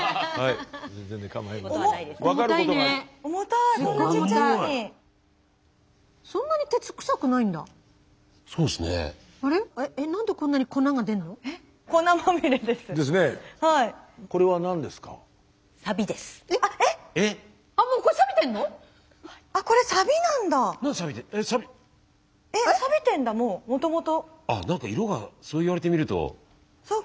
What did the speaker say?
あなんか色がそう言われてみると。